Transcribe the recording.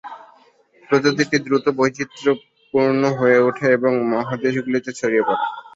প্রজাতিটি দ্রুত বৈচিত্র্যপূর্ণ হয়ে ওঠে এবং মহাদেশগুলিতে ছড়িয়ে পড়ে।